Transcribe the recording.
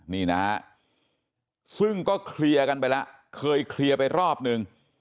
นี่นะฮะซึ่งก็เคลียร์กันไปแล้วเคยเคลียร์ไปรอบนึง